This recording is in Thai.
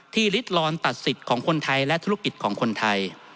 ลิดลอนตัดสิทธิ์ของคนไทยและธุรกิจของคนไทย